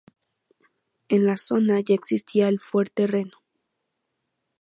En la zona ya existía el fuerte Reno.